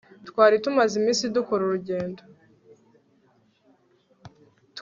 twari tumaze iminsi dukora urugendo